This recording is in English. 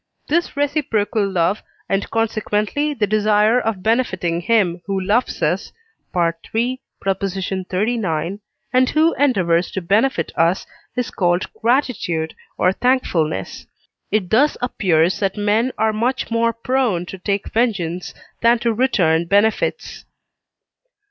This reciprocal love, and consequently the desire of benefiting him who loves us (III. xxxix.), and who endeavours to benefit us, is called gratitude or thankfulness. It thus appears that men are much more prone to take vengeance than to return benefits.